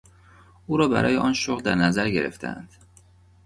او را برای آن شغل در نظر گرفتهاند.